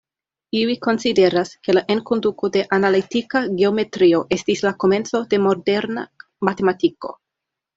Iuj konsideras, ke la enkonduko de analitika geometrio estis la komenco de moderna matematiko.